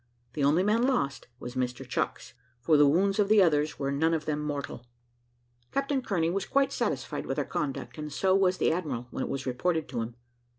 The only man lost was Mr Chucks, for the wounds of the others were none of them mortal. Captain Kearney was quite satisfied with our conduct, and so was the admiral, when it was reported to him.